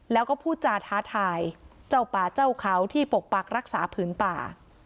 แล้วก็พูดจาท้าทายเจ้าป่าเจ้าเขาที่ปกปักรักษาผืนป่า